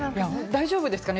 大丈夫ですかね？